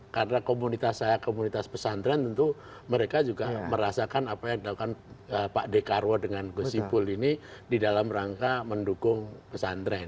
karena komunitas saya komunitas pesantren tentu mereka juga merasakan apa yang dilakukan pak dekarwo dengan gus ipul ini di dalam rangka mendukung pesantren